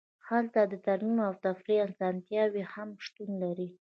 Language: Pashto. هلته د ترمیم او تفریح اسانتیاوې هم شتون لري